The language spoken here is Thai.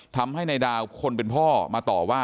ทำให้นายดาวคนเป็นพ่อมาต่อว่า